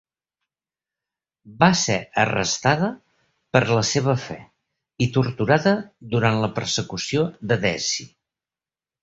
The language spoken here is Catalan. Va ser arrestada per la seva fe i torturada durant la persecució de Deci.